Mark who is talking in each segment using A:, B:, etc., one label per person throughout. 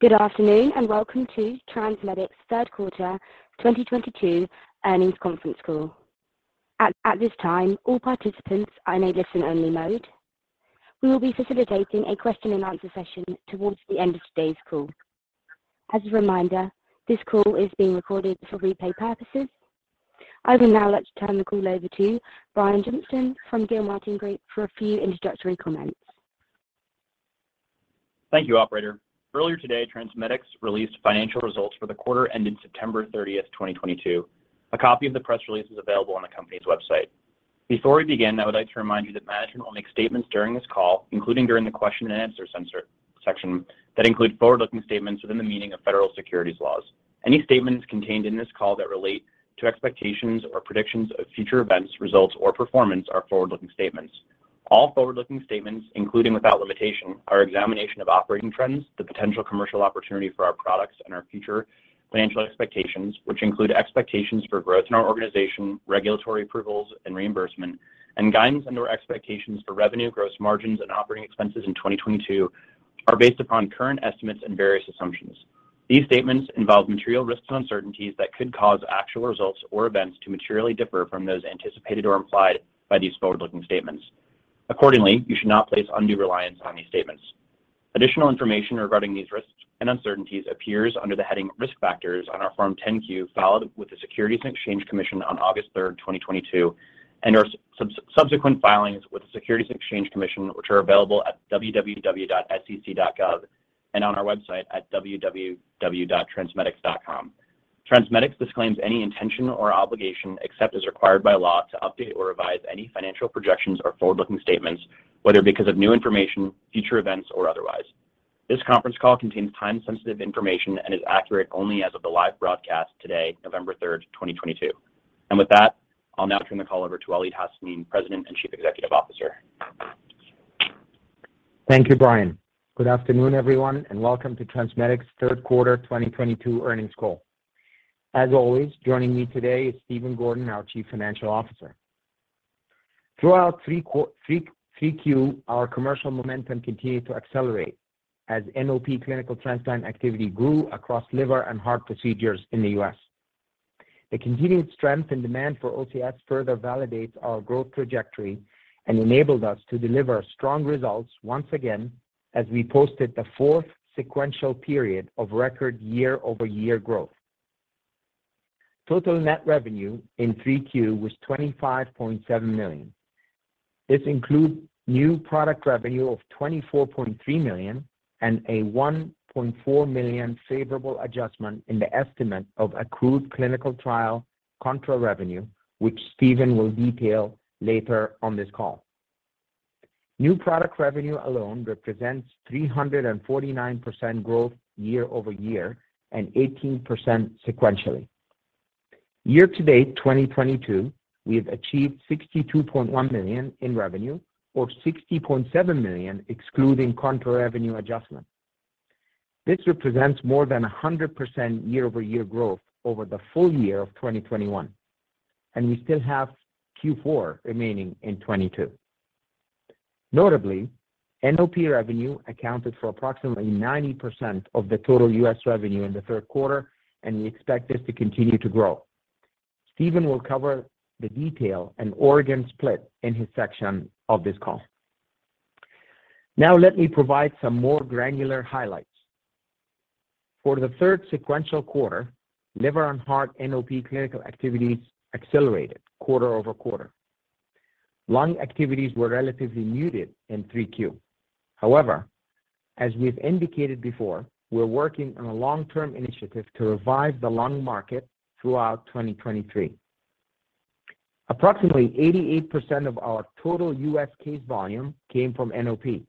A: Good afternoon, and welcome to TransMedics Third Quarter 2022 Earnings Conference Call. At this time, all participants are in listen-only mode. We will be facilitating a question-and-answer session towards the end of today's call. As a reminder, this call is being recorded for replay purposes. I would now like to turn the call over to Brian Johnston from Gilmartin Group for a few introductory comments.
B: Thank you, Operator. Earlier today, TransMedics released financial results for the quarter ending September 30th, 2022. A copy of the press release is available on the company's website. Before we begin, I would like to remind you that management will make statements during this call, including during the question-and-answer section, that include forward-looking statements within the meaning of federal securities laws. Any statements contained in this call that relate to expectations or predictions of future events, results, or performance are forward-looking statements. All forward-looking statements, including without limitation, our examination of operating trends, the potential commercial opportunity for our products and our future financial expectations, which include expectations for growth in our organization, regulatory approvals and reimbursement, and guidance and/or expectations for revenue, gross margins, and operating expenses in 2022, are based upon current estimates and various assumptions. These statements involve material risks and uncertainties that could cause actual results or events to materially differ from those anticipated or implied by these forward-looking statements. Accordingly, you should not place undue reliance on these statements. Additional information regarding these risks and uncertainties appears under the heading Risk Factors on our Form 10-Q filed with the Securities and Exchange Commission on August 3rd, 2022, and our subsequent filings with the Securities and Exchange Commission, which are available at www.sec.gov and on our website at www.transmedics.com. TransMedics disclaims any intention or obligation, except as required by law, to update or revise any financial projections or forward-looking statements, whether because of new information, future events, or otherwise. This conference call contains time-sensitive information and is accurate only as of the live broadcast today, November 3rd, 2022. With that, I'll now turn the call over to Waleed Hassanein, President and Chief Executive Officer.
C: Thank you, Brian. Good afternoon, everyone, and welcome to TransMedics Third Quarter 2022 Earnings Call. As always, joining me today is Stephen Gordon, our Chief Financial Officer. Throughout 3Q, our commercial momentum continued to accelerate as NOP clinical transplant activity grew across liver and heart procedures in the U.S. The continued strength and demand for OCS further validates our growth trajectory and enabled us to deliver strong results once again as we posted the fourth sequential period of record year-over-year growth. Total net revenue in 3Q was $25.7 million. This includes new product revenue of $24.3 million and a $1.4 million favorable adjustment in the estimate of accrued clinical trial contract revenue, which Stephen will detail later on this call. New product revenue alone represents 349% growth year-over-year and 18% sequentially. Year-to-date, 2022, we have achieved $62.1 million in revenue or $60.7 million excluding contract revenue adjustment. This represents more than 100% year-over-year growth over the full year of 2021, and we still have Q4 remaining in 2022. Notably, NOP revenue accounted for approximately 90% of the total U.S. revenue in the third quarter, and we expect this to continue to grow. Stephen will cover the detail and organ split in his section of this call. Now let me provide some more granular highlights. For the third sequential quarter, liver and heart NOP clinical activities accelerated quarter-over-quarter. Lung activities were relatively muted in 3Q. However, as we've indicated before, we're working on a long-term initiative to revive the lung market throughout 2023. Approximately 88% of our total U.S. case volume came from NOP.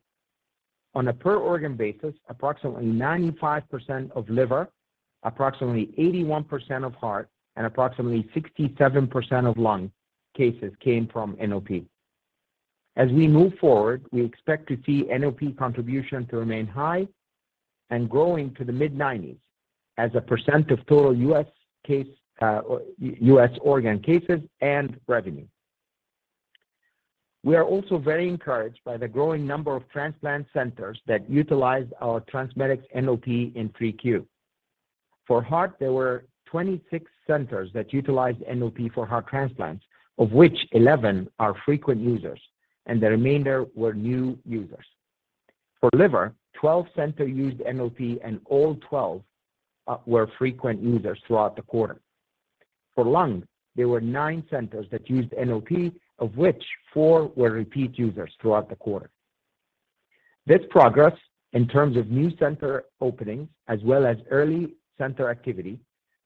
C: On a per organ basis, approximately 95% of liver, approximately 81% of heart, and approximately 67% of lung cases came from NOP. As we move forward, we expect to see NOP contribution to remain high and growing to the mid-90s% of total U.S. organ cases and revenue. We are also very encouraged by the growing number of transplant centers that utilized our TransMedics NOP in 3Q. For heart, there were 26 centers that utilized NOP for heart transplants, of which 11 are frequent users, and the remainder were new users. For liver, 12 centers used NOP, and all 12 were frequent users throughout the quarter. For lung, there were nine centers that used NOP, of which four were repeat users throughout the quarter. This progress in terms of new center openings as well as early center activity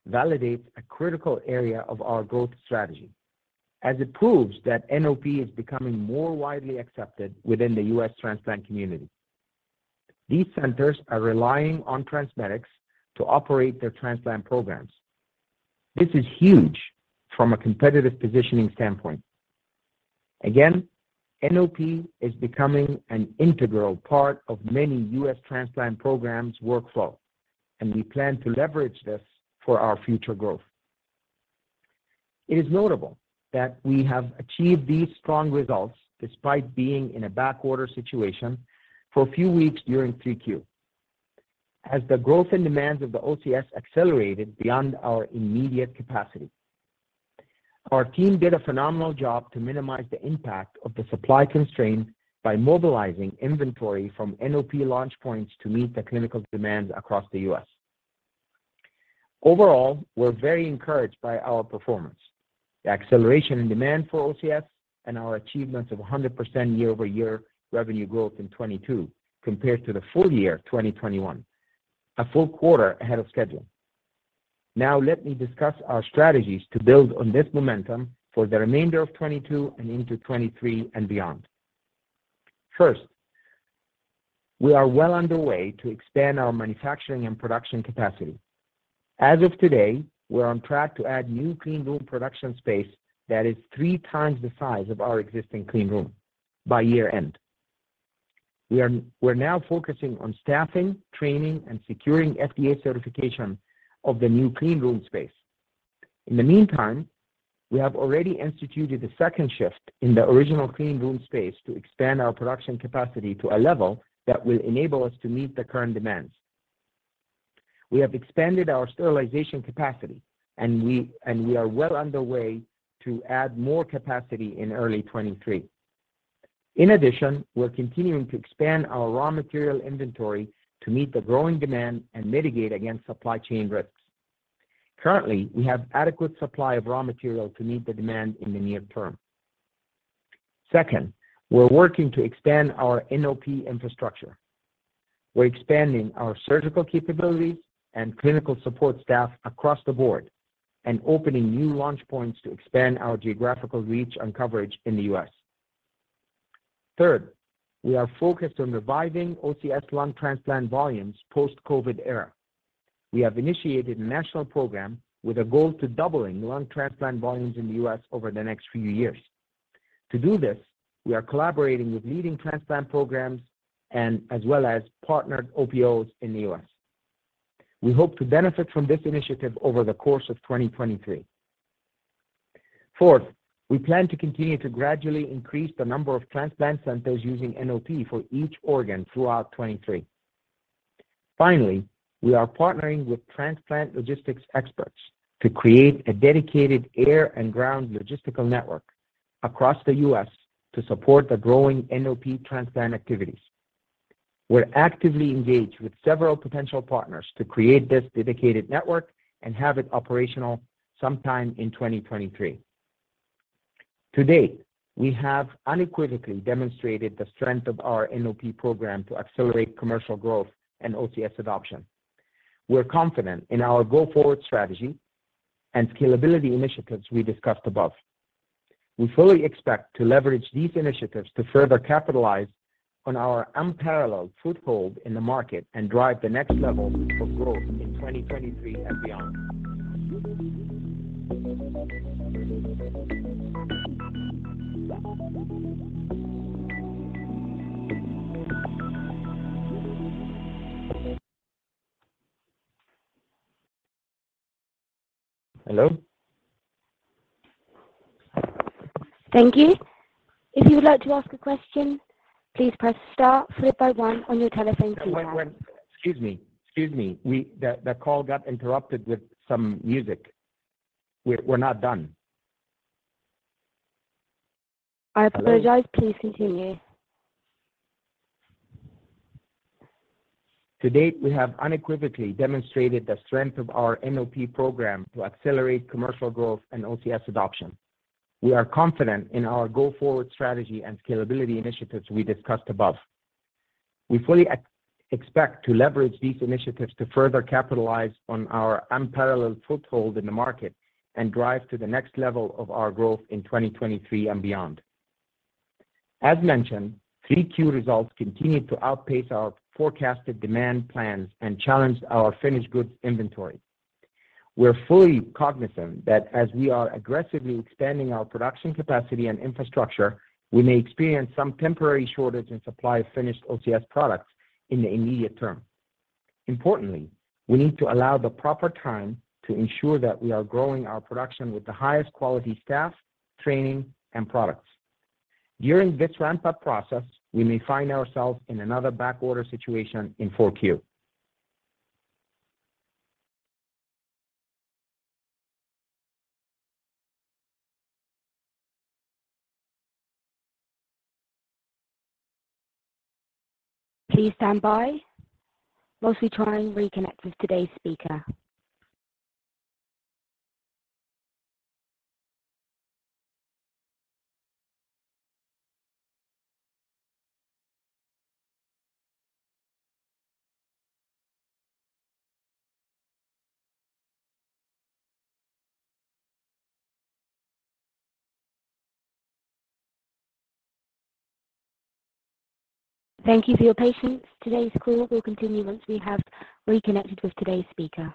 C: validates a critical area of our growth strategy as it proves that NOP is becoming more widely accepted within the U.S. transplant community. These centers are relying on TransMedics to operate their transplant programs. This is huge from a competitive positioning standpoint. Again, NOP is becoming an integral part of many U.S. transplant programs' workflow, and we plan to leverage this for our future growth. It is notable that we have achieved these strong results despite being in a back order situation for a few weeks during Q3, as the growth and demands of the OCS accelerated beyond our immediate capacity. Our team did a phenomenal job to minimize the impact of the supply constraints by mobilizing inventory from NOP launch points to meet the clinical demands across the U.S. Overall, we're very encouraged by our performance, the acceleration in demand for OCS and our achievements of 100% year-over-year revenue growth in 2022 compared to the full year 2021, a full quarter ahead of schedule. Now let me discuss our strategies to build on this momentum for the remainder of 2022 and into 2023 and beyond. First, we are well underway to expand our manufacturing and production capacity. As of today, we're on track to add new clean room production space that is three times the size of our existing clean room by year-end. We're now focusing on staffing, training, and securing FDA certification of the new clean room space. In the meantime, we have already instituted a second shift in the original clean room space to expand our production capacity to a level that will enable us to meet the current demands. We have expanded our sterilization capacity, and we are well underway to add more capacity in early 2023. In addition, we're continuing to expand our raw material inventory to meet the growing demand and mitigate against supply chain risks. Currently, we have adequate supply of raw material to meet the demand in the near term. Second, we're working to expand our NOP infrastructure. We're expanding our surgical capabilities and clinical support staff across the board and opening new launch points to expand our geographical reach and coverage in the U.S. Third, we are focused on reviving OCS lung transplant volumes post-COVID era. We have initiated a national program with a goal to doubling lung transplant volumes in the U.S. over the next few years. To do this, we are collaborating with leading transplant programs and as well as partnered OPOs in the U.S. We hope to benefit from this initiative over the course of 2023. Fourth, we plan to continue to gradually increase the number of transplant centers using NOP for each organ throughout 2023. Finally, we are partnering with transplant logistics experts to create a dedicated air and ground logistical network across the U.S. to support the growing NOP transplant activities. We're actively engaged with several potential partners to create this dedicated network and have it operational sometime in 2023. To date, we have unequivocally demonstrated the strength of our NOP program to accelerate commercial growth and OCS adoption. We're confident in our go-forward strategy and scalability initiatives we discussed above. We fully expect to leverage these initiatives to further capitalize on our unparalleled foothold in the market and drive the next level of growth in 2023 and beyond. Hello?
A: Thank you. If you would like to ask a question, please press star followed by one on your telephone keypad.
C: Wait. Excuse me. The call got interrupted with some music. We're not done.
A: I apologize. Please continue.
C: To date, we have unequivocally demonstrated the strength of our NOP program to accelerate commercial growth and OCS adoption. We are confident in our go-forward strategy and scalability initiatives we discussed above. We fully expect to leverage these initiatives to further capitalize on our unparalleled foothold in the market and drive to the next level of our growth in 2023 and beyond. As mentioned, Q3 results continued to outpace our forecasted demand plans and challenged our finished goods inventory. We're fully cognizant that as we are aggressively expanding our production capacity and infrastructure, we may experience some temporary shortage in supply of finished OCS products in the immediate term. Importantly, we need to allow the proper time to ensure that we are growing our production with the highest quality staff, training, and products. During this ramp-up process, we may find ourselves in another backorder situation in Q4.
A: Please stand by while we try and reconnect with today's speaker. Thank you for your patience. Today's call will continue once we have reconnected with today's speaker.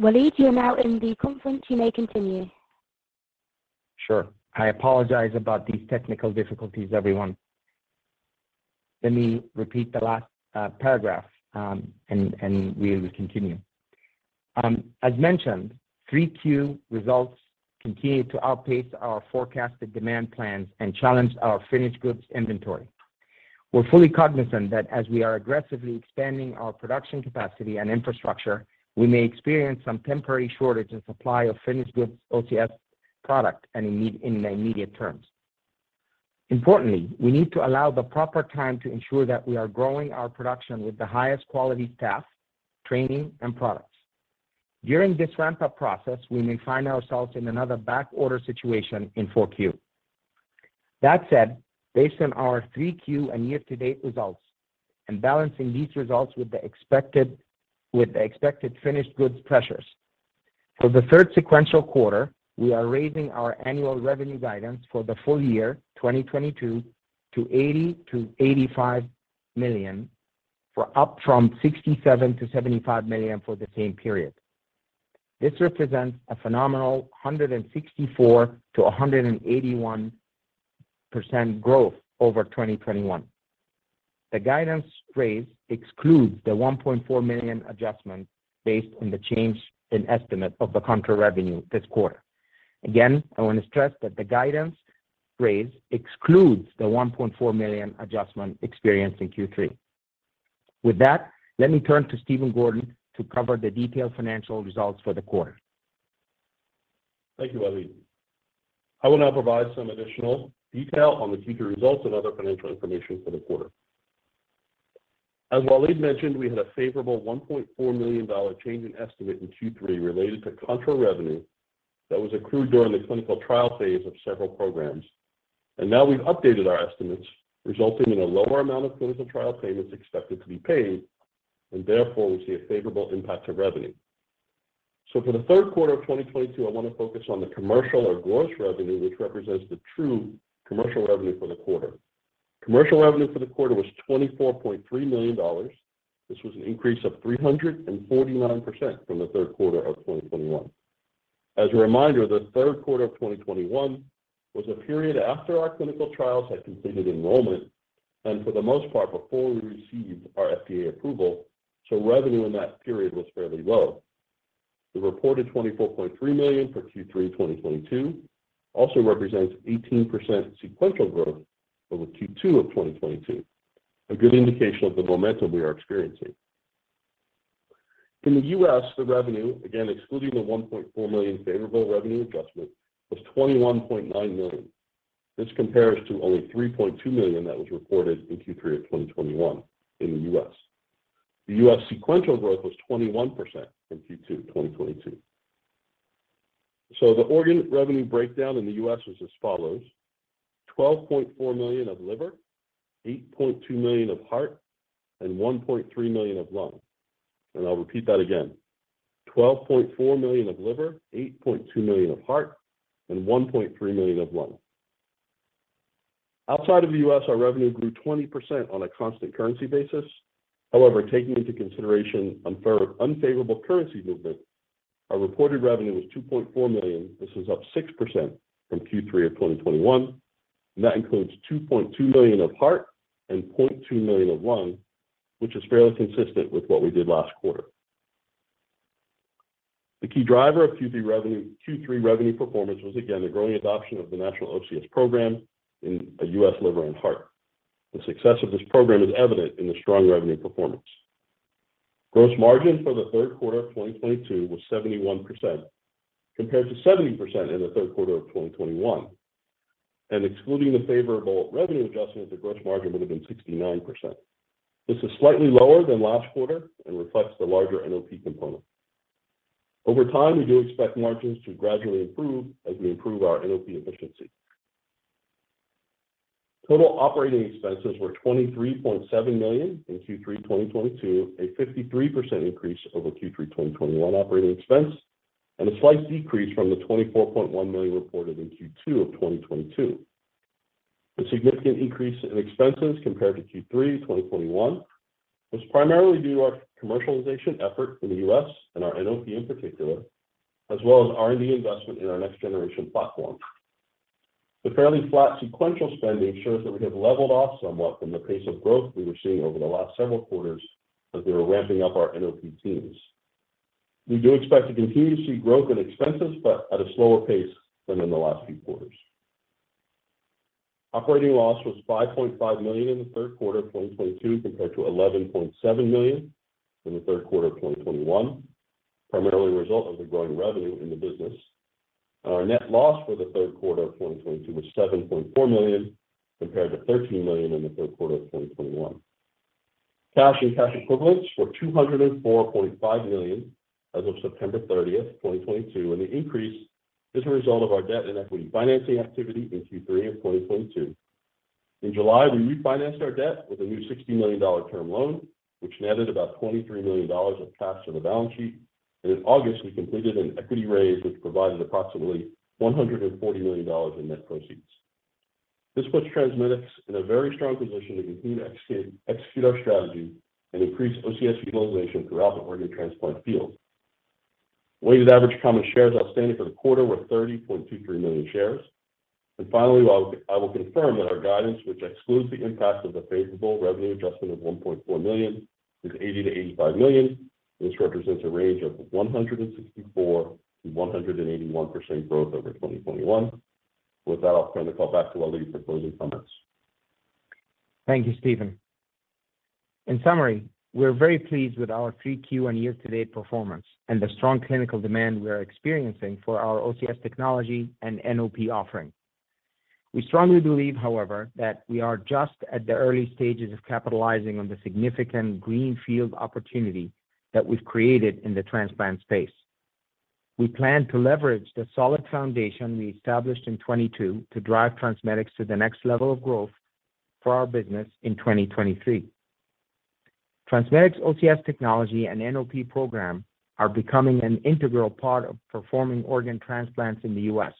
A: Waleed, you're now in the conference, you may continue.
C: Sure. I apologize about these technical difficulties, everyone. Let me repeat the last paragraph, and we'll continue. As mentioned, 3Q results continue to outpace our forecasted demand plans and challenge our finished goods inventory. We're fully cognizant that as we are aggressively expanding our production capacity and infrastructure, we may experience some temporary shortage in supply of finished goods OCS product and in immediate terms. Importantly, we need to allow the proper time to ensure that we are growing our production with the highest quality staff, training and products. During this ramp-up process, we may find ourselves in another back order situation in 4Q. That said, based on our 3Q and year-to-date results and balancing these results with the expected finished goods pressures. For the third sequential quarter, we are raising our annual revenue guidance for the full year 2022 to $80 million-$85 million, up from $67 million-$75 million for the same period. This represents a phenomenal 164%-181% growth over 2021. The guidance raise excludes the $1.4 million adjustment based on the change in estimate of the contra revenue this quarter. Again, I want to stress that the guidance raise excludes the $1.4 million adjustment experienced in Q3. With that, let me turn to Stephen Gordon to cover the detailed financial results for the quarter.
D: Thank you, Waleed. I will now provide some additional detail on the Q3 results and other financial information for the quarter. As Waleed mentioned, we had a favorable $1.4 million change in estimate in Q3 related to contra revenue that was accrued during the clinical trial phase of several programs. Now we've updated our estimates, resulting in a lower amount of clinical trial payments expected to be paid, and therefore we see a favorable impact to revenue. For the third quarter of 2022, I want to focus on the commercial or gross revenue, which represents the true commercial revenue for the quarter. Commercial revenue for the quarter was $24.3 million. This was an increase of 349% from the third quarter of 2021. As a reminder, the third quarter of 2021 was a period after our clinical trials had completed enrollment, and for the most part, before we received our FDA approval, so revenue in that period was fairly low. The reported $24.3 million for Q3 2022 also represents 18% sequential growth over Q2 of 2022. A good indication of the momentum we are experiencing. In the U.S., the revenue, again excluding the $1.4 million favorable revenue adjustment, was $21.9 million. This compares to only $3.2 million that was reported in Q3 of 2021 in the U.S. The U.S. sequential growth was 21% in Q2 2022. The organ revenue breakdown in the U.S. was as follows. $12.4 million of liver, $8.2 million of heart, and $1.3 million of lung. I'll repeat that again. $12.4 million of liver, $8.2 million of heart, and $1.3 million of lung. Outside of the U.S., our revenue grew 20% on a constant currency basis. However, taking into consideration unfavorable currency movement, our reported revenue was $2.4 million. This is up 6% from Q3 of 2021, and that includes $2.2 million of heart and $0.2 million of lung, which is fairly consistent with what we did last quarter. The key driver of Q3 revenue performance was again the growing adoption of the National OCS Program in U.S. liver and heart. The success of this program is evident in the strong revenue performance. Gross margin for the third quarter of 2022 was 71%, compared to 70% in the third quarter of 2021. Excluding the favorable revenue adjustment, the gross margin would have been 69%. This is slightly lower than last quarter and reflects the larger NOP component. Over time, we do expect margins to gradually improve as we improve our NOP efficiency. Total operating expenses were $23.7 million in Q3 2022, a 53% increase over Q3 2021 operating expense, and a slight decrease from the $24.1 million reported in Q2 of 2022. The significant increase in expenses compared to Q3 2021 was primarily due to our commercialization effort in the U.S. and our NOP in particular, as well as R&D investment in our next generation platform. The fairly flat sequential spending shows that we have leveled off somewhat from the pace of growth we were seeing over the last several quarters as we were ramping up our NOP teams. We do expect to continue to see growth in expenses, but at a slower pace than in the last few quarters. Operating loss was $5.5 million in the third quarter of 2022, compared to $11.7 million in the third quarter of 2021, primarily a result of the growing revenue in the business. Our net loss for the third quarter of 2022 was $7.4 million, compared to $13 million in the third quarter of 2021. Cash and cash equivalents were $204.5 million as of September 30, 2022, and the increase is a result of our debt and equity financing activity in Q3 of 2022. In July, we refinanced our debt with a new $60 million term loan, which netted about $23 million of cash on the balance sheet. In August, we completed an equity raise, which provided approximately $140 million in net proceeds. This puts TransMedics in a very strong position to continue to execute our strategy and increase OCS utilization throughout the organ transplant field. Weighted average common shares outstanding for the quarter were 30.23 million shares. Finally, while I will confirm that our guidance, which excludes the impact of the favorable revenue adjustment of $1.4 million, is $80 million-$85 million, this represents a range of 164%-181% growth over 2021. With that, I'll turn the call back to Waleed for closing comments.
C: Thank you, Stephen. In summary, we're very pleased with our 3Q and year-to-date performance and the strong clinical demand we are experiencing for our OCS technology and NOP offering. We strongly believe, however, that we are just at the early stages of capitalizing on the significant greenfield opportunity that we've created in the transplant space. We plan to leverage the solid foundation we established in 2022 to drive TransMedics to the next level of growth for our business in 2023. TransMedics OCS technology and NOP program are becoming an integral part of performing organ transplants in the U.S.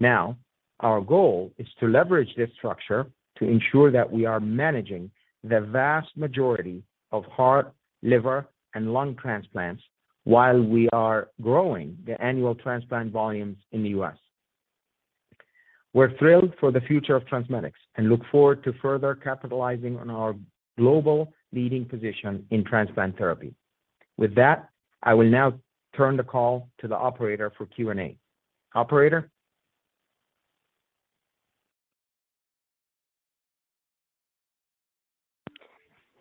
C: Now, our goal is to leverage this structure to ensure that we are managing the vast majority of heart, liver, and lung transplants while we are growing the annual transplant volumes in the U.S. We're thrilled for the future of TransMedics and look forward to further capitalizing on our global leading position in transplant therapy. With that, I will now turn the call to the operator for Q&A. Operator?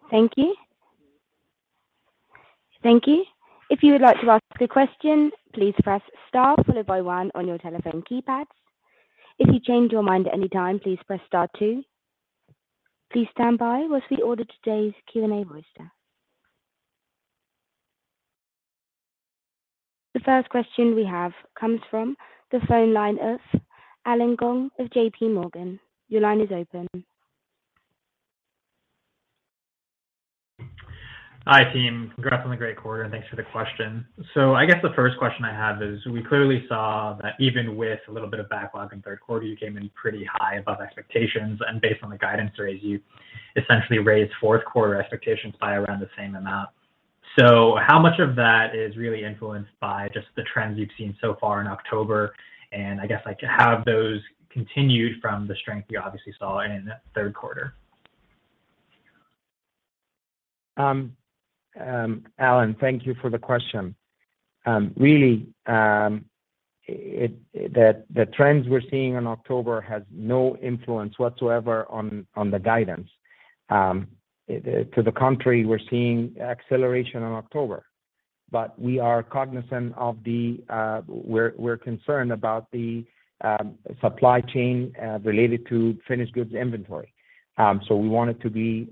A: Thank you. Thank you. If you would like to ask a question, please press star followed by one on your telephone keypads. If you change your mind at any time, please press star two. Please stand by while we order today's Q&A portion. The first question we have comes from the phone line of Allen Gong of JPMorgan. Your line is open.
E: Hi, team. Congrats on the great quarter, and thanks for the question. I guess the first question I have is we clearly saw that even with a little bit of backlog in third quarter, you came in pretty high above expectations, and based on the guidance raise, you essentially raised fourth quarter expectations by around the same amount. How much of that is really influenced by just the trends you've seen so far in October? I guess like have those continued from the strength you obviously saw in the third quarter?
C: Allen, thank you for the question. Really, the trends we're seeing in October has no influence whatsoever on the guidance. To the contrary, we're seeing acceleration in October. But we are cognizant. We're concerned about the supply chain related to finished goods inventory. We wanted to be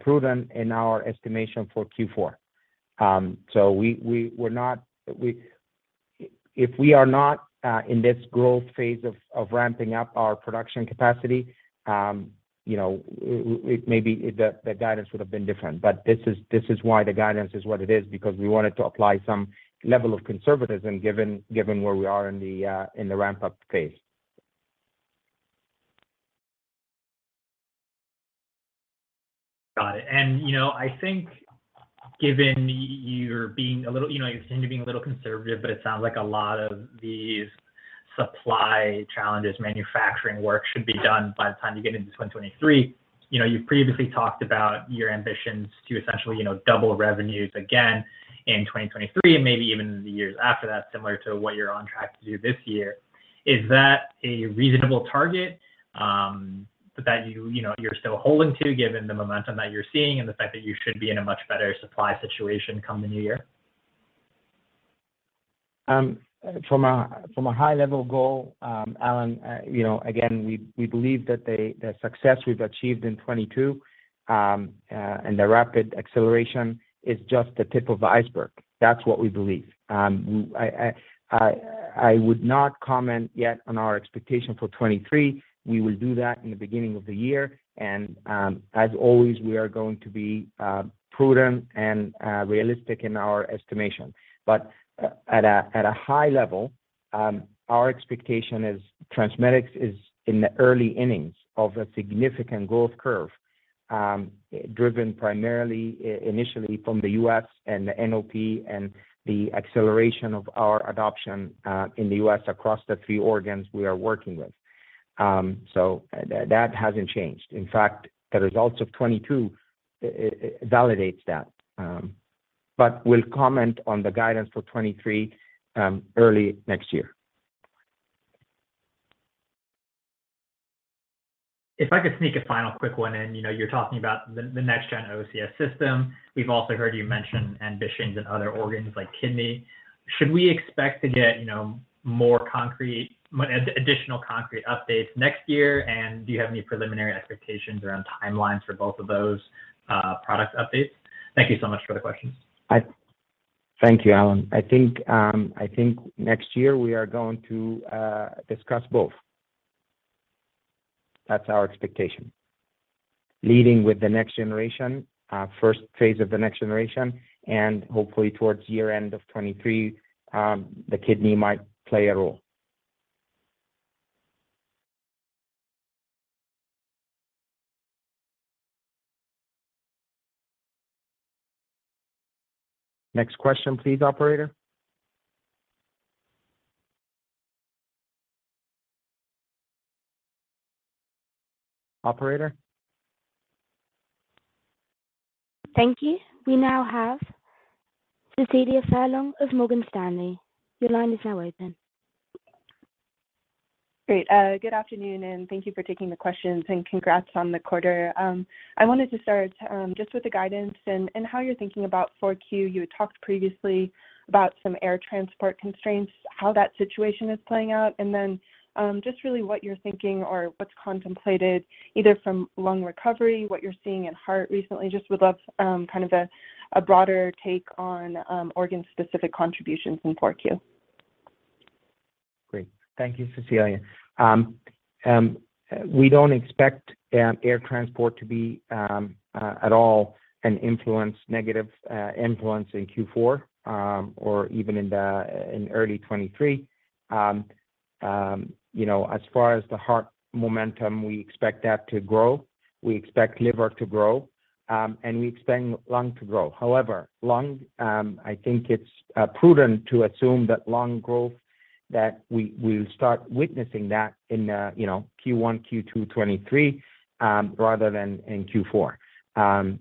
C: prudent in our estimation for Q4. If we are not in this growth phase of ramping up our production capacity, you know, maybe the guidance would have been different. This is why the guidance is what it is, because we wanted to apply some level of conservatism given where we are in the ramp-up phase.
E: Got it. You know, I think given you're being a little, you know, you seem to be a little conservative, but it sounds like a lot of these supply challenges, manufacturing work should be done by the time you get into 2023. You know, you've previously talked about your ambitions to essentially, you know, double revenues again in 2023 and maybe even in the years after that, similar to what you're on track to do this year. Is that a reasonable target, that you know, you're still holding to, given the momentum that you're seeing and the fact that you should be in a much better supply situation come the new year?
C: From a high-level goal, Allen, you know, again, we believe that the success we've achieved in 2022 and the rapid acceleration is just the tip of the iceberg. That's what we believe. I would not comment yet on our expectation for 2023. We will do that in the beginning of the year. As always, we are going to be prudent and realistic in our estimation. At a high level, our expectation is TransMedics is in the early innings of a significant growth curve, driven primarily initially from the U.S. and the NOP and the acceleration of our adoption in the U.S. across the three organs we are working with. That hasn't changed. In fact, the results of 2022 validates that. We'll comment on the guidance for 2023 early next year.
E: If I could sneak a final quick one in. You know, you're talking about the next gen OCS system. We've also heard you mention ambitions in other organs like kidney. Should we expect to get, you know, more concrete additional concrete updates next year? And do you have any preliminary expectations around timelines for both of those product updates? Thank you so much for the questions.
C: Thank you, Allen. I think next year we are going to discuss both. That's our expectation. Leading with the next generation, first phase of the next generation, and hopefully towards year-end of 2023, the kidney might play a role. Next question please, Operator. Operator?
A: Thank you. We now have Cecilia Furlong of Morgan Stanley. Your line is now open.
F: Great. Good afternoon, and thank you for taking the questions, and congrats on the quarter. I wanted to start just with the guidance and how you're thinking about 4Q. You had talked previously about some air transport constraints, how that situation is playing out, and then just really what you're thinking or what's contemplated either from lung recovery, what you're seeing in heart recently. Just would love kind of a broader take on organ-specific contributions in 4Q.
C: Great. Thank you, Cecilia. We don't expect air transport to be at all a negative influence in Q4, or even in early 2023. You know, as far as the heart momentum, we expect that to grow. We expect liver to grow, and we expect lung to grow. However, lung, I think it's prudent to assume that lung growth, we'll start witnessing that in, you know, Q1, Q2 2023, rather than in Q4.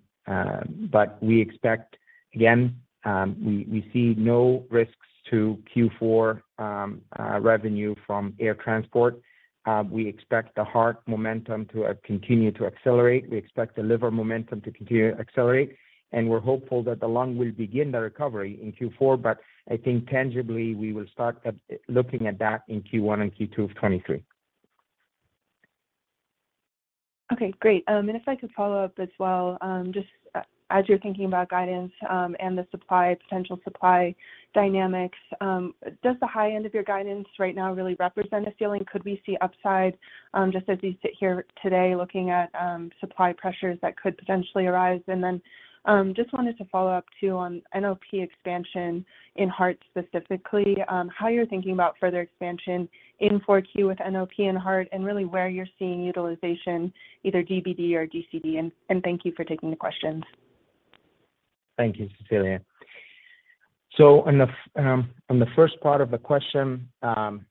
C: But we expect, again, we see no risks to Q4 revenue from air transport. We expect the heart momentum to continue to accelerate. We expect the liver momentum to continue to accelerate, and we're hopeful that the lung will begin the recovery in Q4, but I think tangibly we will start looking at that in Q1 and Q2 of 2023.
F: Okay, great. If I could follow up as well, just as you're thinking about guidance, and the supply, potential supply dynamics, does the high end of your guidance right now really represent a ceiling? Could we see upside, just as you sit here today looking at supply pressures that could potentially arise? Just wanted to follow up too on NOP expansion in heart specifically, how you're thinking about further expansion in 4Q with NOP and heart and really where you're seeing utilization, either DBD or DCD. Thank you for taking the questions.
C: Thank you, Cecilia. On the first part of the question, I'm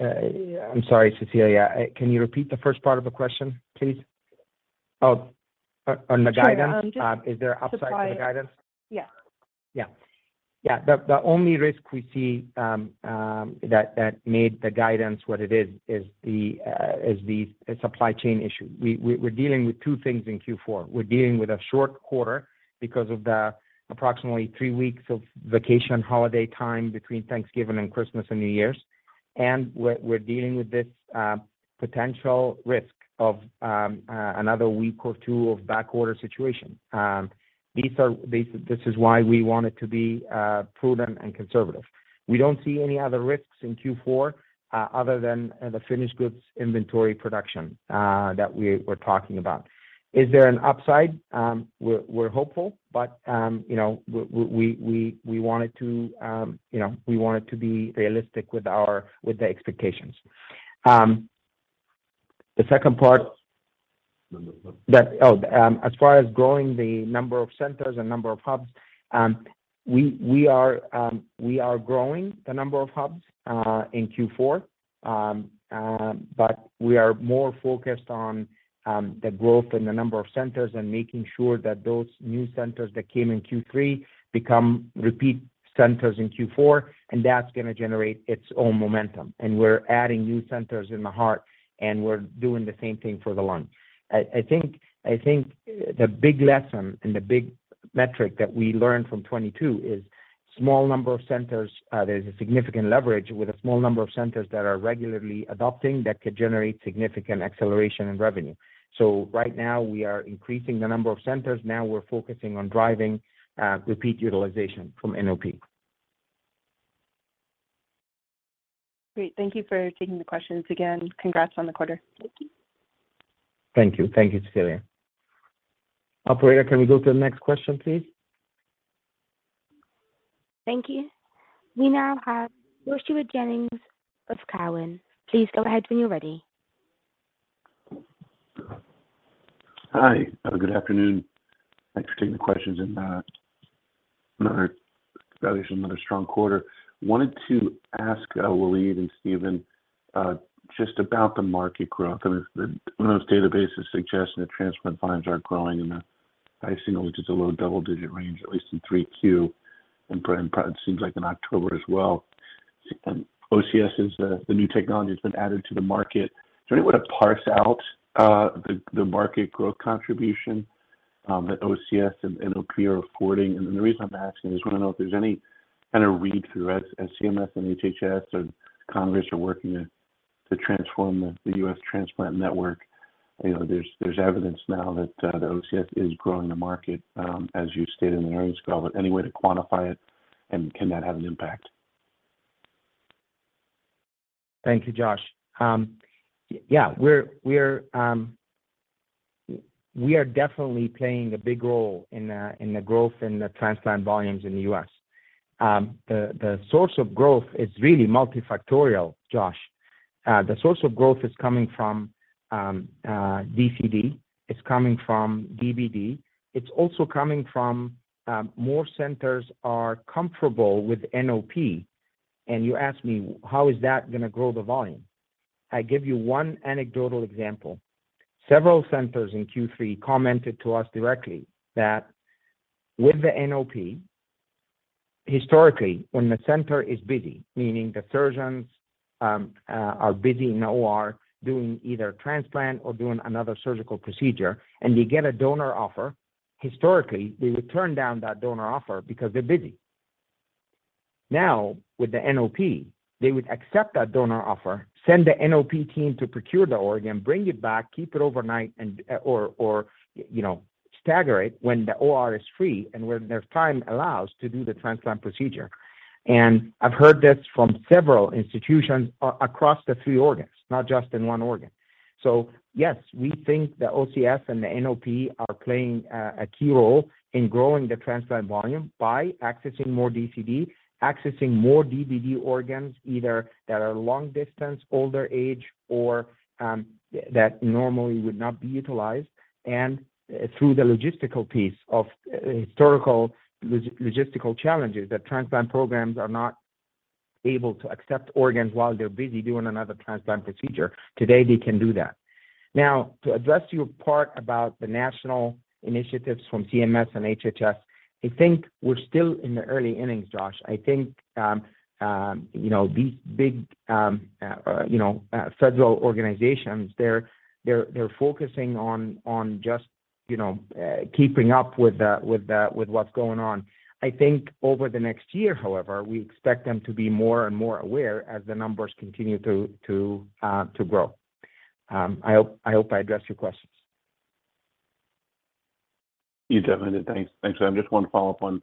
C: sorry, Cecilia. Can you repeat the first part of the question, please? Oh, on the guidance?
F: Sure.
C: Is there upside to the guidance?
F: Supply. Yeah.
C: Yeah. The only risk we see that made the guidance what it is is the supply chain issue. We're dealing with two things in Q4. We're dealing with a short quarter because of the approximately three weeks of vacation holiday time between Thanksgiving and Christmas and New Year's, and we're dealing with this potential risk of another week or two of back order situation. This is why we wanted to be prudent and conservative. We don't see any other risks in Q4 other than the finished goods inventory production that we were talking about. Is there an upside? We're hopeful, but you know, we wanted to be realistic with our expectations. The second part-
F: Number of-
C: As far as growing the number of centers and number of hubs, we are growing the number of hubs in Q4. But we are more focused on the growth and the number of centers and making sure that those new centers that came in Q3 become repeat centers in Q4, and that's gonna generate its own momentum. We're adding new centers in the heart, and we're doing the same thing for the lung. I think the big lesson and the big metric that we learned from 2022 is small number of centers, there's a significant leverage with a small number of centers that are regularly adopting that could generate significant acceleration and revenue. Right now we are increasing the number of centers. Now we're focusing on driving repeat utilization from NOP.
F: Great. Thank you for taking the questions. Again, congrats on the quarter.
C: Thank you. Thank you, Cecilia. Operator, can we go to the next question, please?
A: Thank you. We now have Joshua Jennings of Cowen and Company. Please go ahead when you're ready.
G: Hi. Have a good afternoon. Thanks for taking the questions and congratulations on another strong quarter. Wanted to ask, Waleed and Stephen, just about the market growth. I mean, one of those databases suggest that transplant volumes are growing in the, I assume, which is a low double-digit range, at least in 3Q, and seems like in October as well. OCS is the new technology that's been added to the market. Is there any way to parse out the market growth contribution that OCS and NOP are reporting? The reason I'm asking is wanna know if there's any kind of read through as CMS and HHS or Congress are working to transform the U.S. transplant network. You know, there's evidence now that the OCS is growing the market, as you stated in the earnings call. Any way to quantify it, and can that have an impact?
C: Thank you, Josh. Yeah, we're definitely playing a big role in the growth in the transplant volumes in the U.S. The source of growth is really multifactorial, Josh. The source of growth is coming from DCD, it's coming from DBD. It's also coming from more centers are comfortable with NOP. You asked me, how is that gonna grow the volume? I give you one anecdotal example. Several centers in Q3 commented to us directly that with the NOP, historically, when the center is busy, meaning the surgeons are busy in OR doing either transplant or doing another surgical procedure and they get a donor offer, historically, they would turn down that donor offer because they're busy. Now, with the NOP, they would accept that donor offer, send the NOP team to procure the organ, bring it back, keep it overnight and or you know stagger it when the OR is free and when their time allows to do the transplant procedure. I've heard this from several institutions across the three organs, not just in one organ. Yes, we think the OCS and the NOP are playing a key role in growing the transplant volume by accessing more DCD, accessing more DBD organs, either that are long distance, older age, or that normally would not be utilized. Through the logistical piece of historical logistical challenges that transplant programs are not able to accept organs while they're busy doing another transplant procedure. Today, they can do that. Now, to address your part about the national initiatives from CMS and HHS, I think we're still in the early innings, Josh. I think you know, these big federal organizations, they're focusing on just you know, keeping up with what's going on. I think over the next year, however, we expect them to be more and more aware as the numbers continue to grow. I hope I addressed your questions.
G: You definitely did. Thanks. Thanks. I just want to follow up on,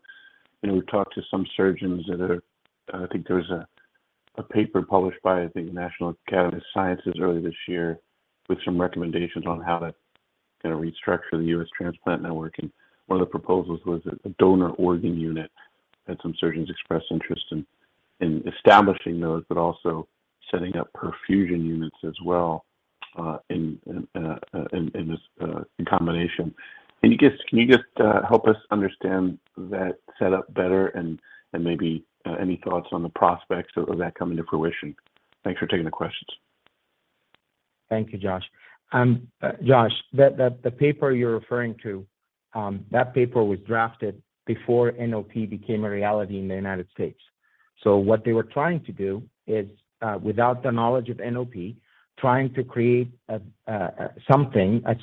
G: you know, we've talked to some surgeons that are—I think there was a paper published by, I think National Academy of Sciences earlier this year with some recommendations on how to kind of restructure the U.S. transplant network. One of the proposals was a Donor Care Unit, had some surgeons express interest in establishing those, but also setting up perfusion units as well, in this combination. Can you just help us understand that set up better and maybe any thoughts on the prospects of that coming to fruition? Thanks for taking the questions.
C: Thank you, Josh. Josh, the paper you're referring to, that paper was drafted before NOP became a reality in the U.S. What they were trying to do is, without the knowledge of NOP, trying to create a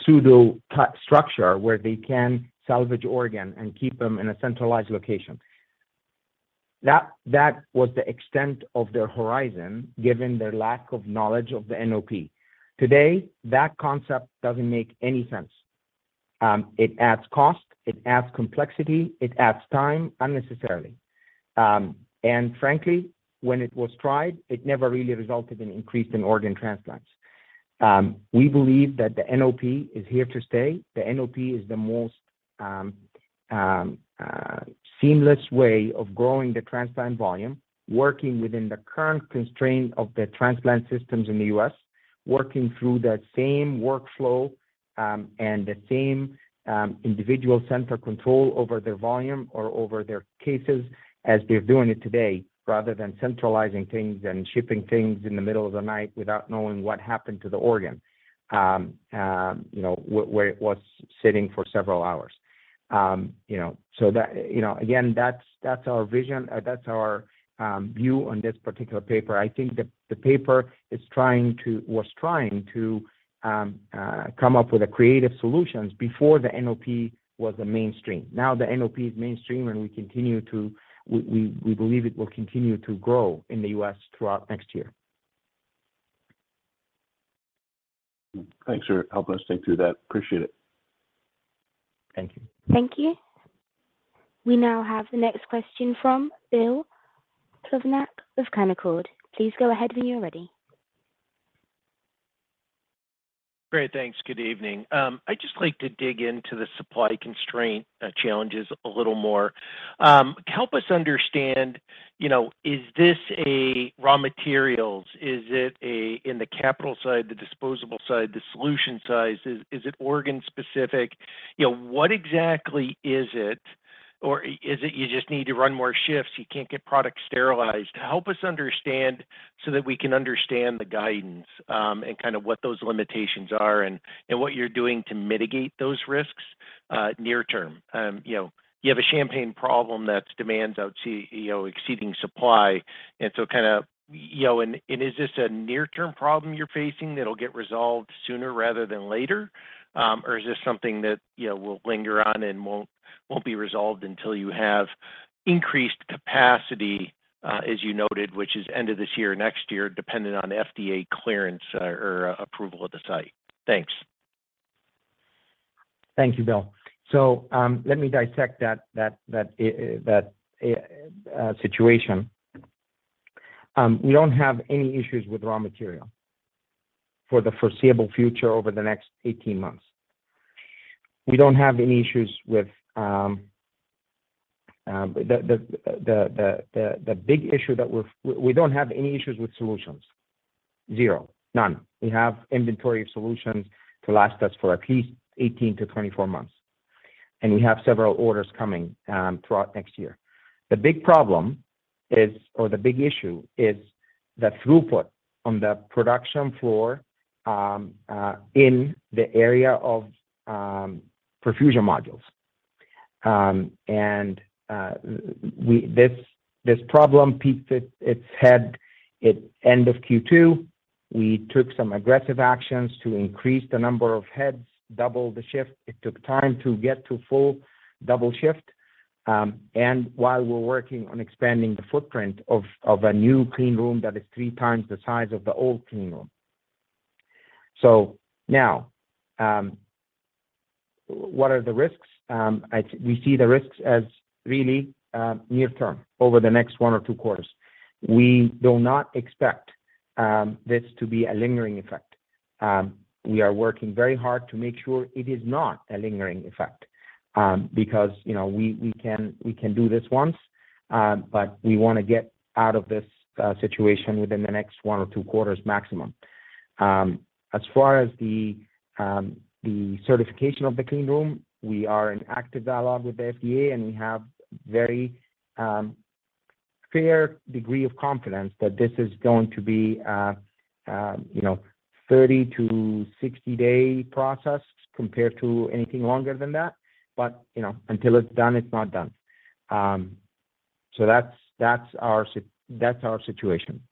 C: pseudo structure where they can salvage organ and keep them in a centralized location. That was the extent of their horizon, given their lack of knowledge of the NOP. Today, that concept doesn't make any sense. It adds cost, it adds complexity, it adds time unnecessarily. Frankly, when it was tried, it never really resulted in increase in organ transplants. We believe that the NOP is here to stay. The NOP is the most seamless way of growing the transplant volume, working within the current constraint of the transplant systems in the U.S., working through that same workflow, and the same individual center control over their volume or over their cases as they're doing it today, rather than centralizing things and shipping things in the middle of the night without knowing what happened to the organ, where it was sitting for several hours. Again, that's our vision. That's our view on this particular paper. I think the paper was trying to come up with creative solutions before the NOP was the mainstream. Now the NOP is mainstream, and we believe it will continue to grow in the U.S. throughout next year.
G: Thanks for helping us think through that. Appreciate it.
C: Thank you.
A: Thank you. We now have the next question from Bill Plovanic with Canaccord Genuity. Please go ahead when you're ready.
H: Great, thanks. Good evening. I'd just like to dig into the supply constraint challenges a little more. Help us understand, you know, is this raw materials? Is it on the capital side, the disposable side, the solution side? Is it organ specific? You know, what exactly is it? Or is it you just need to run more shifts, you can't get product sterilized? Help us understand so that we can understand the guidance, and kind of what those limitations are and what you're doing to mitigate those risks near term. You know, you have a champagne problem that's demand exceeding supply. Is this a near term problem you're facing that'll get resolved sooner rather than later? Or is this something that, you know, will linger on and won't be resolved until you have increased capacity, as you noted, which is end of this year, next year, depending on FDA clearance or approval of the site? Thanks.
C: Thank you, Bill. Let me dissect that situation. We don't have any issues with raw material for the foreseeable future over the next 18 months. We don't have any issues with solutions. Zero, none. We have inventory of solutions to last us for at least 18-24 months, and we have several orders coming throughout next year. The big problem is, or the big issue is the throughput on the production floor in the area of perfusion modules. This problem reared its head at end of Q2. We took some aggressive actions to increase the number of heads, double the shift. It took time to get to full double shift. While we're working on expanding the footprint of a new clean room that is three times the size of the old clean room. Now, what are the risks? We see the risks as really near term, over the next one or two quarters. We do not expect this to be a lingering effect. We are working very hard to make sure it is not a lingering effect, because, you know, we can do this once, but we wanna get out of this situation within the next one or two quarters maximum. As far as the certification of the clean room, we are in active dialogue with the FDA, and we have very fair degree of confidence that this is going to be a 30-60-day process compared to anything longer than that. You know, until it's done, it's not done. That's our situation.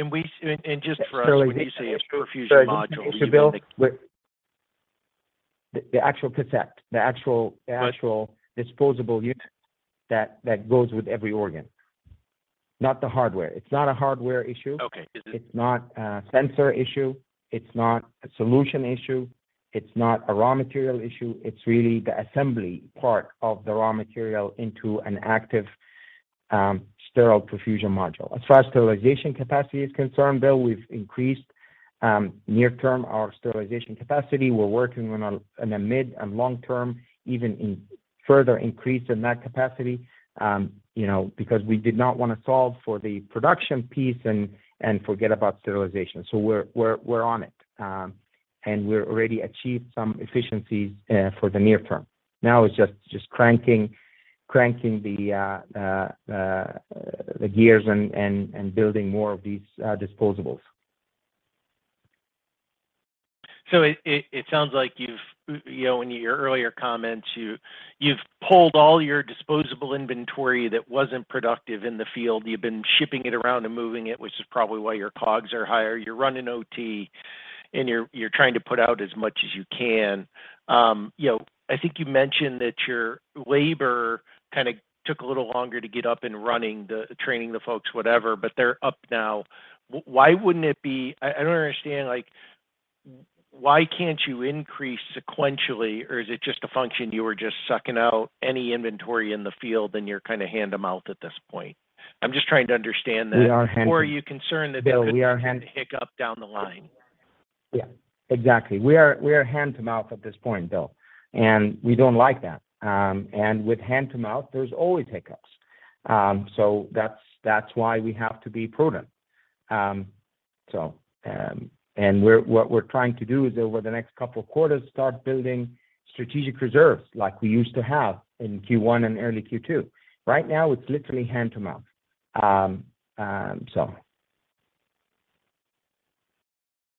H: Just for us.
C: So the-
H: When you say perfusion module, are you building?
C: Sorry to cut you, Bill. The actual cassette.
H: Right.
C: the actual disposable unit that goes with every organ, not the hardware. It's not a hardware issue.
H: Okay.
C: It's not a sensor issue. It's not a solution issue. It's not a raw material issue. It's really the assembly part of the raw material into an active, sterile perfusion module. As far as sterilization capacity is concerned, Bill, we've increased near term our sterilization capacity. We're working on a mid and long term, even a further increase in that capacity, you know, because we did not want to solve for the production piece and forget about sterilization. We're on it. We've already achieved some efficiencies for the near term. Now it's just cranking the gears and building more of these disposables.
H: It sounds like you've, you know, in your earlier comments, you've pulled all your disposable inventory that wasn't productive in the field. You've been shipping it around and moving it, which is probably why your COGS are higher. You're running OT, and you're trying to put out as much as you can. You know, I think you mentioned that your labor kinda took a little longer to get up and running, the training the folks, whatever, but they're up now. Why wouldn't it be? I don't understand, like, why can't you increase sequentially, or is it just a function you were just sucking out any inventory in the field, and you're kinda hand-to-mouth at this point? I'm just trying to understand that.
C: We are hand-to-
H: Are you concerned that there could be?
C: Bill, we are
H: A hiccup down the line?
C: Yeah, exactly. We are hand-to-mouth at this point, Bill, and we don't like that. With hand-to-mouth, there's always hiccups. That's why we have to be prudent. What we're trying to do is over the next couple of quarters, start building strategic reserves like we used to have in Q1 and early Q2. Right now, it's literally hand-to-mouth.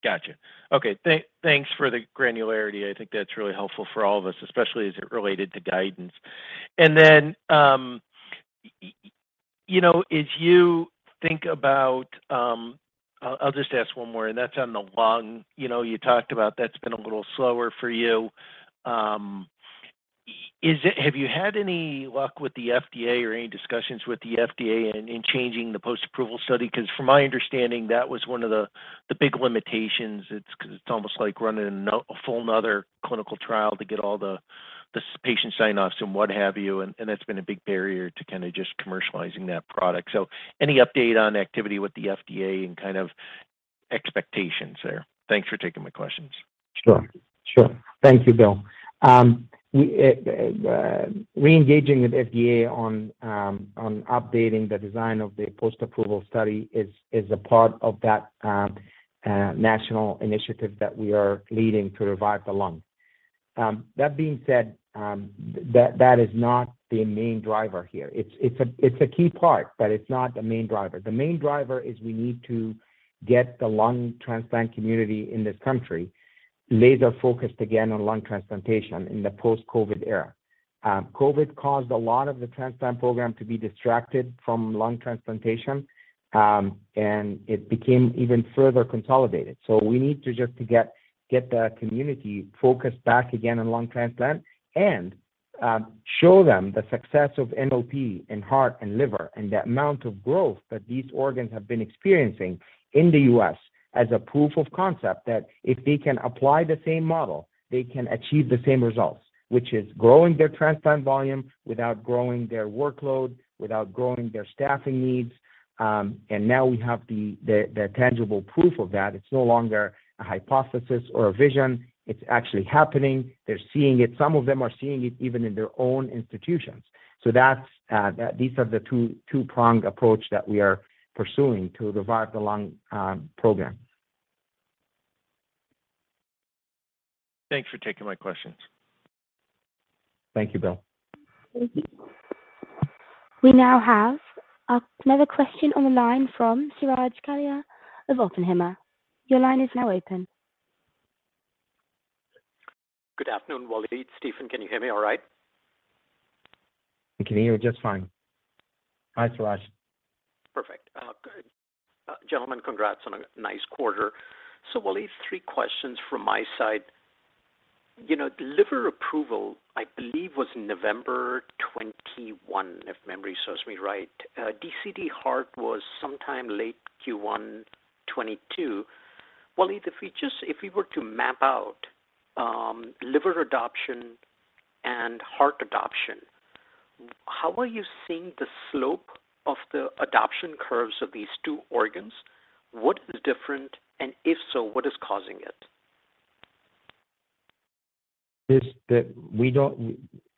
H: Gotcha. Okay. Thanks for the granularity. I think that's really helpful for all of us, especially as it related to guidance. You know, as you think about, I'll just ask one more, and that's on the lung. You know, you talked about that's been a little slower for you. Have you had any luck with the FDA or any discussions with the FDA in changing the post-approval study? Because from my understanding, that was one of the big limitations. It's 'cause it's almost like running a whole another clinical trial to get all the patient sign-offs and what have you, and that's been a big barrier to kinda just commercializing that product. Any update on activity with the FDA and kind of expectations there? Thanks for taking my questions.
C: Sure. Thank you, Bill. We re-engaging with FDA on updating the design of the post-approval study is a part of that national initiative that we are leading to revive the lung. That being said, that is not the main driver here. It's a key part, but it's not the main driver. The main driver is we need to get the lung transplant community in this country laser-focused again on lung transplantation in the post-COVID era. COVID caused a lot of the transplant program to be distracted from lung transplantation, and it became even further consolidated. We need to just get the community focused back again on lung transplant and show them the success of NOP in heart and liver and the amount of growth that these organs have been experiencing in the U.S. as a proof of concept that if they can apply the same model, they can achieve the same results, which is growing their transplant volume without growing their workload, without growing their staffing needs. Now we have the tangible proof of that. It's no longer a hypothesis or a vision. It's actually happening. They're seeing it. Some of them are seeing it even in their own institutions. These are the two-prong approach that we are pursuing to revive the lung program.
H: Thanks for taking my questions.
C: Thank you, Bill.
A: Thank you. We now have another question on the line from Suraj Kalia of Oppenheimer. Your line is now open.
I: Good afternoon, Waleed, Stephen, can you hear me all right?
C: We can hear you just fine. Hi, Suraj.
I: Gentlemen, congrats on a nice quarter. Waleed, three questions from my side. You know, the liver approval, I believe, was November 21, if memory serves me right. DCD heart was sometime late Q1 2022. Waleed, if we were to map out liver adoption and heart adoption, how are you seeing the slope of the adoption curves of these two organs? What is different, and if so, what is causing it?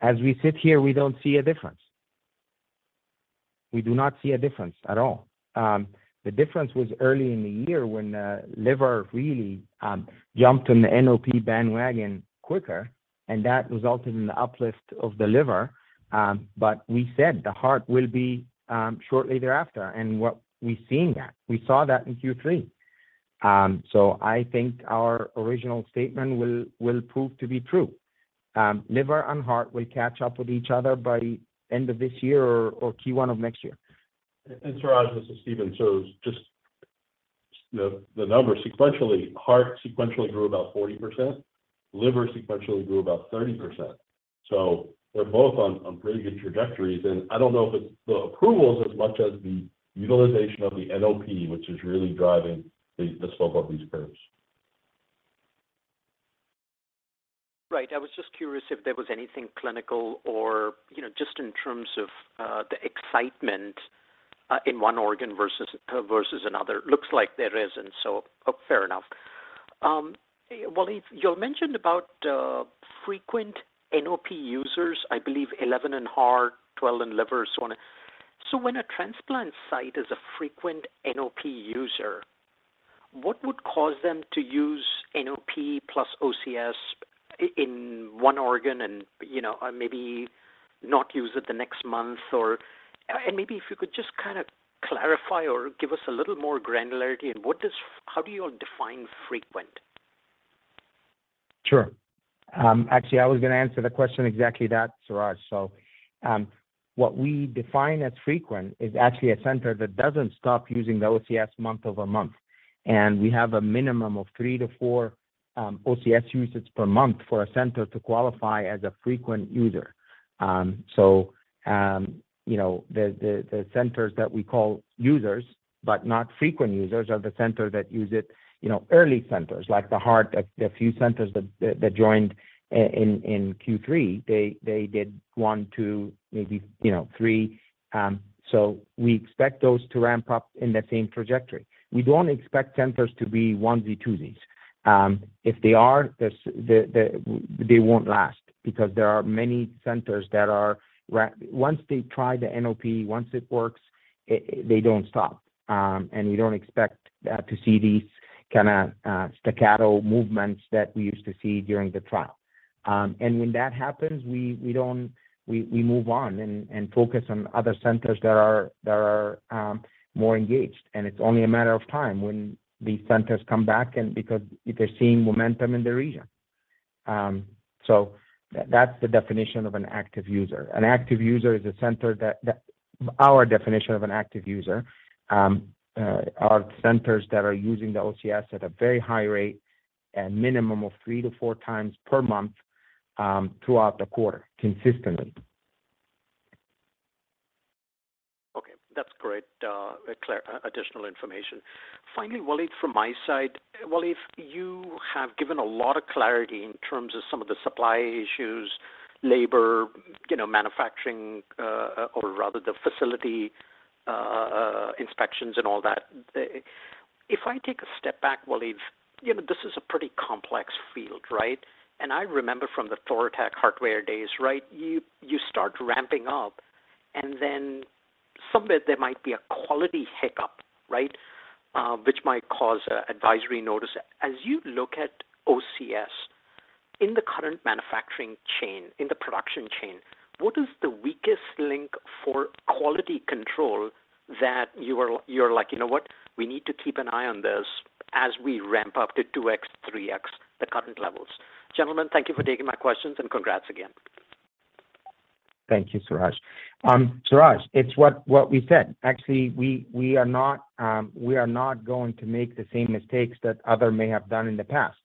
C: As we sit here, we don't see a difference. We do not see a difference at all. The difference was early in the year when liver really jumped on the NOP bandwagon quicker, and that resulted in the uplift of the liver. We said the heart will be shortly thereafter, and we've seen that. We saw that in Q3. I think our original statement will prove to be true. Liver and heart will catch up with each other by end of this year or Q1 of next year.
D: Suraj, this is Stephen. Just the numbers sequentially, heart sequentially grew about 40%. Liver sequentially grew about 30%. They're both on pretty good trajectories. I don't know if it's the approvals as much as the utilization of the NOP, which is really driving the slope of these curves.
I: Right. I was just curious if there was anything clinical or, you know, just in terms of, the excitement, in one organ versus another. Looks like there isn't, so fair enough. Waleed, you mentioned about frequent NOP users, I believe 11 in heart, 12 in liver, so on. When a transplant site is a frequent NOP user, what would cause them to use NOP + OCS in one organ and, you know, maybe not use it the next month or. Maybe if you could just kind of clarify or give us a little more granularity in how do you all define frequent?
C: Sure. Actually, I was gonna answer the question exactly that, Suraj. What we define as frequent is actually a center that doesn't stop using the OCS month-over-month. We have a minimum of three to four OCS usage per month for a center to qualify as a frequent user. You know, the centers that we call users, but not frequent users are the centers that use it, you know, early centers, like the heart, a few centers that joined in Q3. They did one, two, maybe, you know, three. We expect those to ramp up in the same trajectory. We don't expect centers to be onesie-twosies. If they are, they won't last because there are many centers that are. Once they try the NOP, once it works, they don't stop. You don't expect to see these kinda staccato movements that we used to see during the trial. When that happens, we move on and focus on other centers that are more engaged. It's only a matter of time when these centers come back and because they're seeing momentum in the region. That's the definition of an active user. An active user is a center that. Our definition of an active user are centers that are using the OCS at a very high rate and minimum of three to four times per month throughout the quarter, consistently.
I: Okay. That's great, clear additional information. Finally, Waleed, from my side, Waleed, you have given a lot of clarity in terms of some of the supply issues, labor, you know, manufacturing, or rather the facility, inspections and all that. If I take a step back, Waleed, you know, this is a pretty complex field, right? I remember from the Thoratec HeartWare days, right? You start ramping up, and then somewhere there might be a quality hiccup, right? Which might cause an advisory notice. As you look at OCS in the current manufacturing chain, in the production chain, what is the weakest link for quality control that you're like, "You know what? We need to keep an eye on this as we ramp up to 2x, 3x, the current levels." Gentlemen, thank you for taking my questions, and congrats again.
C: Thank you, Suraj. Suraj, it's what we said. Actually, we are not going to make the same mistakes that others may have done in the past.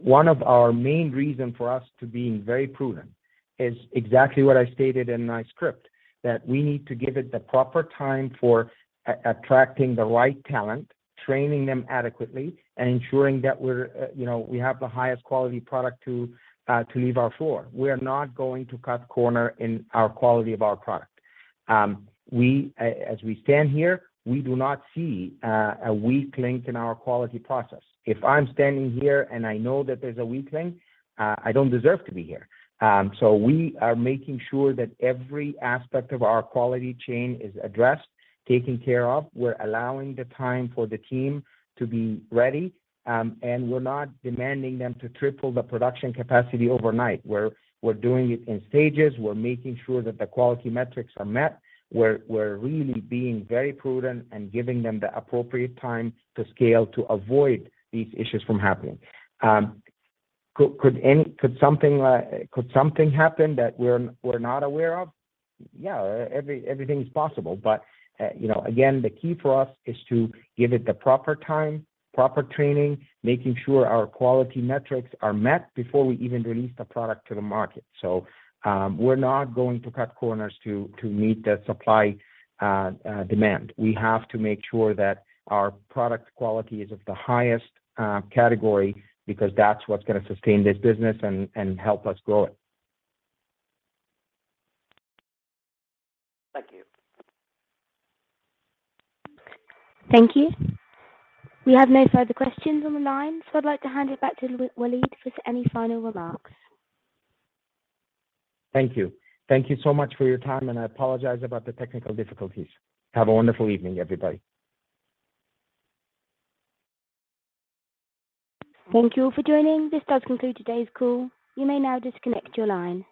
C: One of our main reason for us to being very prudent is exactly what I stated in my script, that we need to give it the proper time for attracting the right talent, training them adequately, and ensuring that we have the highest quality product to leave our floor. We are not going to cut corners in our quality of our product. As we stand here, we do not see a weak link in our quality process. If I'm standing here, and I know that there's a weak link, I don't deserve to be here. We are making sure that every aspect of our quality chain is addressed, taken care of. We're allowing the time for the team to be ready, and we're not demanding them to triple the production capacity overnight. We're doing it in stages. We're making sure that the quality metrics are met. We're really being very prudent and giving them the appropriate time to scale to avoid these issues from happening. Could something happen that we're not aware of? Yeah, everything is possible. You know, again, the key for us is to give it the proper time, proper training, making sure our quality metrics are met before we even release the product to the market. We're not going to cut corners to meet the supply and demand. We have to make sure that our product quality is of the highest category because that's what's gonna sustain this business and help us grow it.
I: Thank you.
A: Thank you. We have no further questions on the line, so I'd like to hand it back to Waleed for any final remarks.
C: Thank you. Thank you so much for your time, and I apologize about the technical difficulties. Have a wonderful evening, everybody.
A: Thank you all for joining. This does conclude today's call. You may now disconnect your line.